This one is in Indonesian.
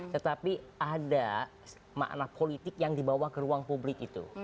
tetapi ada makna politik yang dibawa ke ruang publik itu